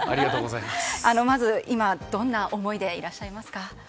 まず今、どんな思いでいらっしゃいますか？